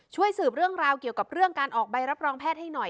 ช่วยสืบเรื่องราวเกี่ยวกับเรื่องการออกใบรับรองแพทย์ให้หน่อย